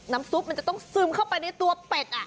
ซุปมันจะต้องซึมเข้าไปในตัวเป็ด